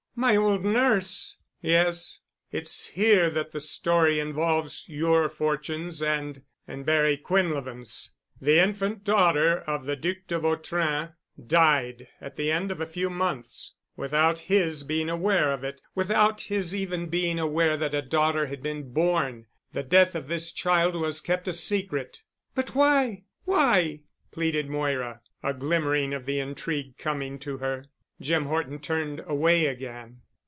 "My old nurse——!" "Yes. It's here that the story involves your fortunes and—and Barry Quinlevin's. The infant daughter of the Duc de Vautrin died at the end of a few months, without his being aware of it—without his even being aware that a daughter had been born. The death of this child was kept a secret——" "But why? Why?" pleaded Moira, a glimmering of the intrigue coming to her. Jim Horton turned away again.